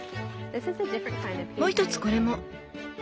もう一つこれも。